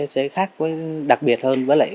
sẽ khác với đặc biệt hơn với lại